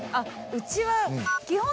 うちは。